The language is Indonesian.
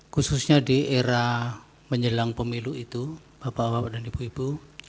khususnya di era menjelang pemilu itu bapak bapak dan ibu ibu